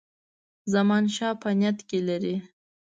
زمانشاه په نیت کې لري.